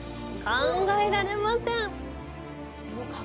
考えられません！